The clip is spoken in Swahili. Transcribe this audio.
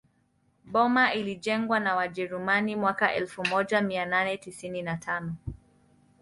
Boma ilijengwa na wajerumani mwaka elfu moja mia nane tisini na tano